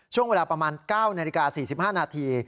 ช่วงเวลาประมาณ๙นาฬิกา๔๕นาที